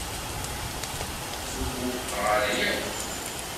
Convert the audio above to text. Ur k-wufqeɣ ara yakk.